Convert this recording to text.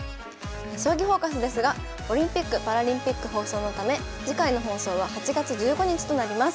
「将棋フォーカス」ですがオリンピックパラリンピック放送のため次回の放送は８月１５日となります。